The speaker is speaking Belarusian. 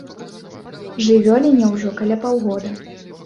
Жывёліне ўжо каля паўгода.